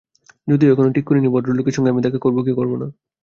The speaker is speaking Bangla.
যদিও এখনো ঠিক করি নি, ভদ্রলোকের সঙ্গে আমি দেখা করব কি করব না।